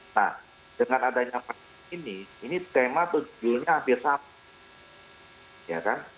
nah dengan adanya pandemi ini ini tema atau judulnya hampir sama